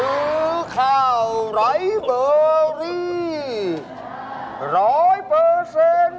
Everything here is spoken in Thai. ซื้อข้าวไร้เบอร์รี่ร้อยเปอร์เซ็นต์